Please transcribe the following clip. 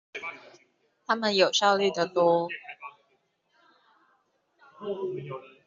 他們有效率的多